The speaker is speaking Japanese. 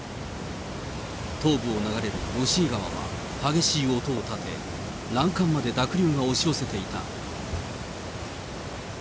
東部を流れる吉井川では激しい音を立て、欄干まで濁流が押し寄せていた。